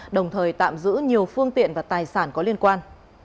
đồng thời tạm giữ nhiều phương tiện và tài sản có liên quan